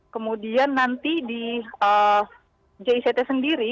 kemudian nanti di jict sendiri